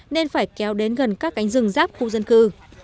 nên phải kéo đến gần các cánh rừng ráp khu dân cư